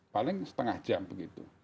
paling setengah jam begitu